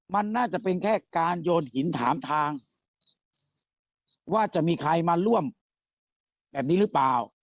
มันน่าจะเป็นแค่การโยนหินถามทางว่าจะมีใครมาร่วมแบบนี้หรือเปล่า